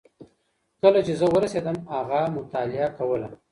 کله چي زه ورسېدم هغه مطالعه کوله.